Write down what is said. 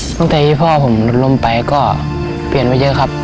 ตั้งแต่ที่พ่อผมล้มไปก็เปลี่ยนมาเยอะครับ